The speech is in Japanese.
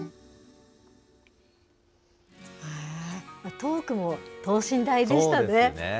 トークも等身大でしたね。